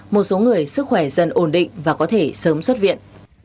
một số người sức khỏe dần ổn định và có thể sớm xuất viện